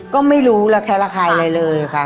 ก็ไม่รู้ละแคลคายเลยค่ะ